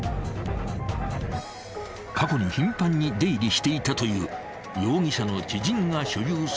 ［過去に頻繁に出入りしていたという］